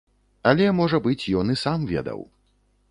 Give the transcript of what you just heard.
Але, можа быць, ён і сам ведаў.